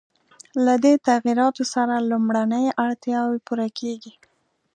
له دې تغییراتو سره لومړنۍ اړتیاوې پوره کېږي.